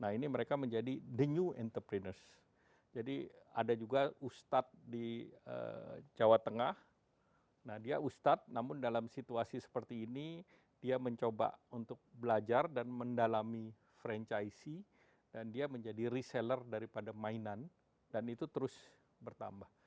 nah ini mereka menjadi the new entrepreneurs jadi ada juga ustadz di jawa tengah nah dia ustadz namun dalam situasi seperti ini dia mencoba untuk belajar dan mendalami franchise dan dia menjadi reseller daripada mainan dan itu terus bertambah